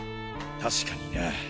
確かにな。